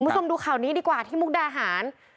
คุณผู้ชมดูข่าวนี้ดีกว่าที่มุกดาหาร